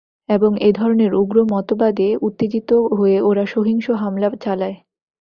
এবং এ ধরনের উগ্র মতবাদে উত্তেজিত হয়ে ওরা সহিংস হামলা চালায়।